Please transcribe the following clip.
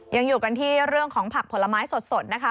ยังอยู่กันที่เรื่องของผักผลไม้สดนะคะ